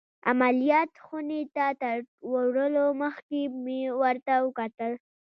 عمليات خونې ته تر وړلو مخکې مې ورته وکتل.